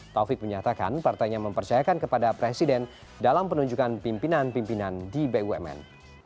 taufik menyatakan partainya mempercayakan kepada presiden dalam penunjukan pimpinan pimpinan di bumn